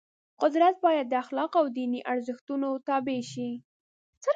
قدرت باید د اخلاقو او دیني ارزښتونو تابع شي.